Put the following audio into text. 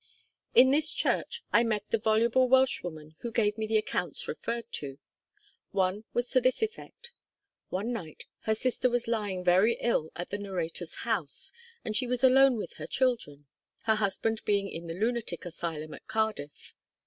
In this church I met the voluble Welshwoman who gave me the accounts referred to. One was to this effect: One night her sister was lying very ill at the narrator's house, and she was alone with her children, her husband being in the lunatic asylum at Cardiff.